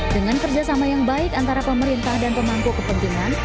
dengan kerjasama yang baik antara pemerintah dan pemangku kepentingan